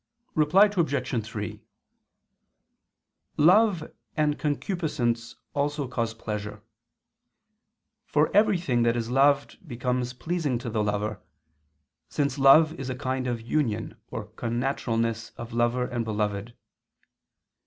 Reply Obj. 3: Love and concupiscence also cause pleasure. For everything that is loved becomes pleasing to the lover, since love is a kind of union or connaturalness of lover and beloved.